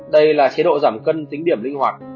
đây là chế độ giảm cân tính điểm linh hoạt